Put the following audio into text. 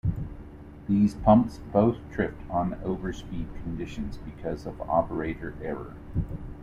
These pumps both tripped on overspeed conditions because of operator error.